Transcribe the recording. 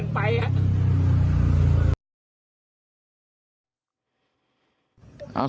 นรกนี่แหละ